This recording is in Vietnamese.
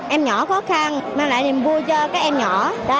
em nhỏ khó khăn mang lại niềm vui cho các em nhỏ